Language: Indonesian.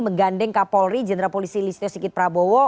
menggandeng kapolri jenderal polisi listio sikit prabowo